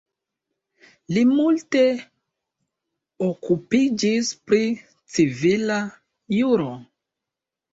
Li multe okupiĝis pri civila juro.